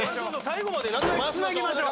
最後まで回しましょう。